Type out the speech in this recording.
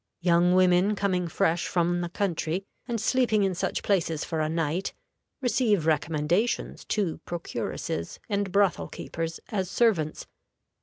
Young women coming fresh from the country, and sleeping in such places for a night, receive recommendations to procuresses and brothel keepers as servants.